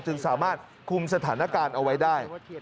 จึงสามารถคุมสถานการณ์เอาไว้ได้